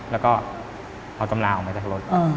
แล้วก็เอาตำราออกมาจากรถ